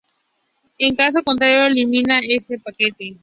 En caso contrario, elimina este paquete.